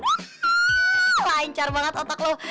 waaaah lancar banget otak lo